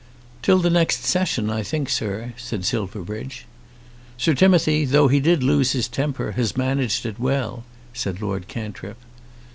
"Till next Session, I think, sir," said Silverbridge. "Sir Timothy, though he did lose his temper, has managed it well," said Lord Cantrip.